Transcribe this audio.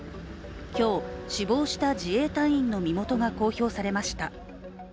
今日、死亡した自衛隊員の身元が公表されました。